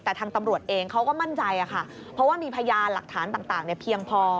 แต่ทางตำรวจเองเขาก็มั่นใจค่ะเพราะว่ามีพยานหลักฐานต่างเพียงพอ